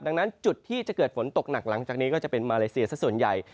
ดังนั้นจุดที่จะเกิดฝนตกหนักหลังจากนี้ก็จะเป็นมาเลเซียสักส่วนใหญ่